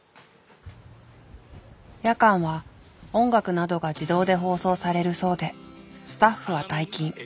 夜間は音楽などが自動で放送されるそうでスタッフは退勤。